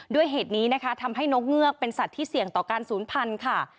ด้วยเหตุนี้นะคะทำให้นกเงือกเป็นสัตว์ที่เสี่ยงต่อการศูนย์พันธุ์ค่ะ